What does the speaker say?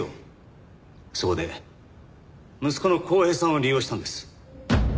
そこで息子の康平さんを利用したんです。